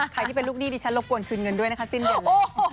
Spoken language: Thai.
ใครที่เป็นลูกหนี้ดิฉันรบกวนคืนเงินด้วยนะคะสิ้นเดือนเลย